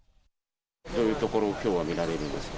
どういう所をきょうは見られるんですか？